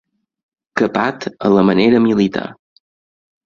Capat a la manera militar.